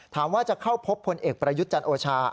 ถามว่าจะเข้าพบพลเอกประยุทธ์จันทร์โอชา